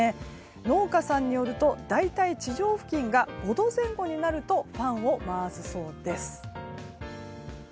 農家さんによると大体、地上付近が５度前後になるとファンを回すそうです。